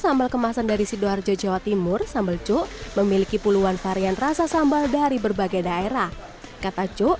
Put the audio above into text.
menarik di jawa timur sambal cuk memiliki puluhan varian rasa sambal dari berbagai daerah kata cuk